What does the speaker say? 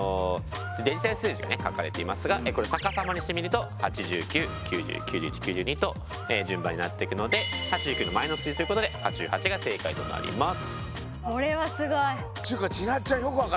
デジタル数字がね書かれていますがこれ逆さまにしてみると８９９０９１９２と順番になっていくので８９の前の数字ということで８８が正解となります。